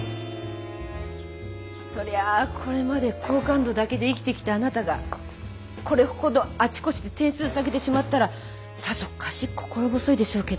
そりゃこれまで好感度だけで生きてきたあなたがこれほどあちこちで点数下げてしまったらさぞかし心細いでしょうけど。